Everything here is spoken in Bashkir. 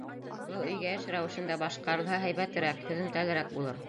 Был өйгә эш рәүешендә башҡарылһа һәйбәтерәк, һөҙөмтәлерәк булыр.